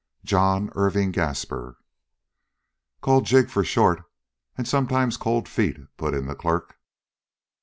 "John Irving Gaspar." "Called Jig for short, and sometimes Cold Feet," put in the clerk.